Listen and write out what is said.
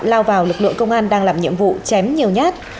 lao vào lực lượng công an đang làm nhiệm vụ chém nhiều nhát